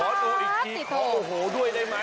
ขอดูอีกที่ก้าวโหด้วยได้ไหม